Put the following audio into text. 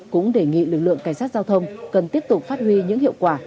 cũng đề nghị lực lượng cảnh sát giao thông cần tiếp tục phát huy những hiệu quả